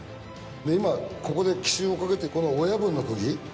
今ここで奇襲をかけてこの親分のクギ。